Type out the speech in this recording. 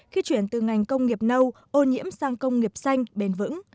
khi chuyển từ ngành công nghiệp nâu ô nhiễm sang công nghiệp xanh bền vững